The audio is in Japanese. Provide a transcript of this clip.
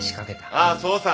ああそうさ。